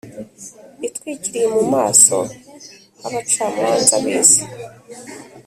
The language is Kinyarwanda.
itwikiriye mu maso h’abacamanza b’isi